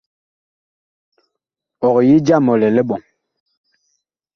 Ɔg yi jam ɔ lɛ liɓɔŋ.